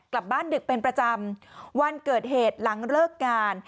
กลับบ้านดึกเป็นประจำวันเกิดเหตุหลังเลิกงาน